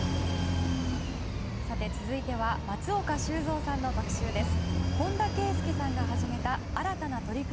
さて、続いては松岡修造さんの特集です。